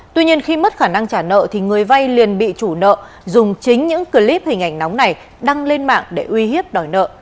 tuy nhiên khi mất khả năng trả nợ thì người vay liền bị chủ nợ dùng chính những clip hình ảnh nóng này đăng lên mạng để uy hiếp đòi nợ